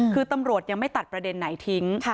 คือตำรวจยังไม่ตัดประเด็นไหนทิ้ง